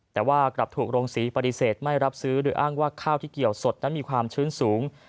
แต่ว่ากลับถูกโรงศรีปฏิเสธไม่รับซื้อโดยอ้างว่าข้าวที่เกี่ยวสดนั้นมีความชื้นสูง